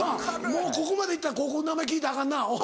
もうここまでいったら高校の名前聞いたらアカンな。